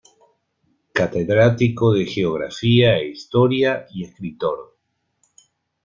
Catedrático de Geografía e Historia y escritor.